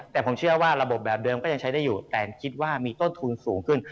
แต่ผมเชื่อว่าระบบแบบเดิมก็ยังใช้ได้อยู่แต่คิดว่ามีต้นทุนสูงขึ้น